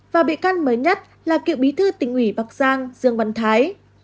và bị can mới nhất là cựu bí thư tỉnh ủy bắc giang dương văn thái